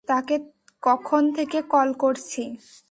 তাকে কখন থেকে কল করছি!